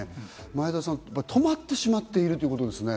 前田さん、止まってしまっているということですね。